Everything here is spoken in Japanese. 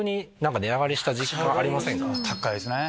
高いですね。